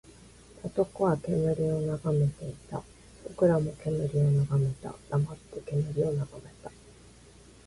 男は煙を眺めていた。僕らも煙を眺めた。黙って煙を眺めた。